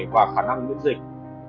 và khả năng miễn dịch